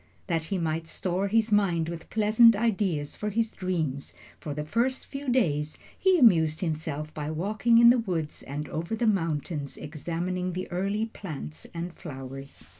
That he might store his mind with pleasant ideas for his dreams, for the first few days he amused himself by walking in the woods and over the mountains, examining the early plants and flowers.